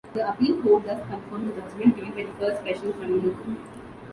The appeal court thus confirmed the judgement given by the First Special Criminal Court.